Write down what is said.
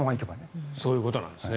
そういうことですね。